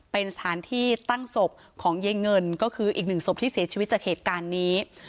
เป็นสถานที่ตั้งศพของยายเงินก็คืออีกหนึ่งศพที่เสียชีวิตจากเหตุการณ์นี้